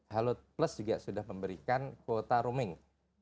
halo plus juga sudah memberikan kuota roaming